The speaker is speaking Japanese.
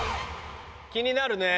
気になるね。